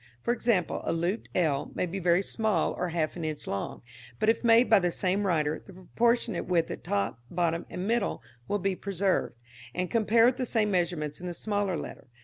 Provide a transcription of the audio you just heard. For example, a looped l may be very small or half an inch long; but, if made by the same writer, the proportionate width at top, bottom and middle will be preserved, and compare with the same measurements in the smaller letter.